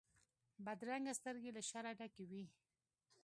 بدرنګه سترګې له شره ډکې وي